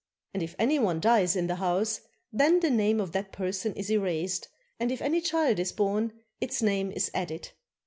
And if any one dies in the house, then the name of that person is erased, and if any child is born, its name is added.